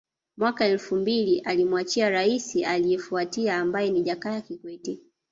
Mwaka elfu mbili alimwachia Raisi aliefuatia ambaye ni Jakaya Kikwete